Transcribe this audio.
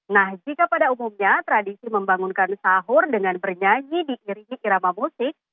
nah jika pada umumnya tradisi membangunkan sahur dengan bernyanyi diiringi irama musik